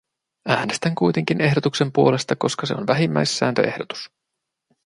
Äänestän kuitenkin ehdotuksen puolesta, koska se on vähimmäissääntöehdotus.